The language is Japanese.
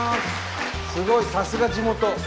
すごいさすが地元。